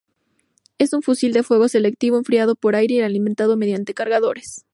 Es un fusil de fuego selectivo, enfriado por aire y alimentado mediante cargadores.